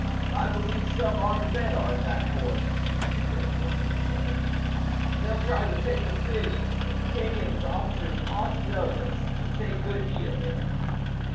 " I believe some armed men are in that horse," declared one with a shudder, " and they will try to take the city ; the King and his officers ought to know this and take good heed of it."